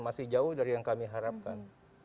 masih jauh dari yang kami harapkan